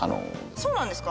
そうなんですか？